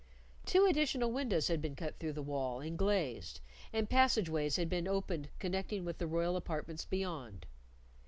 Two additional windows had been cut through the wall and glazed, and passage ways had been opened connecting with the royal apartments beyond.